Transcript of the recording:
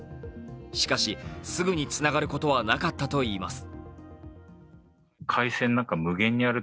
しかし、すぐにつながることはなかったといいます。